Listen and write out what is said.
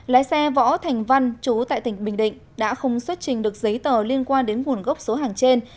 lái xe võ thành văn chú tại tỉnh bình định đã không xuất trình được giấy tờ liên quan đến nguồn gốc số hàng trên